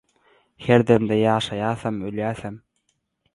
Her demde ýaşaýasam, ölýäsem.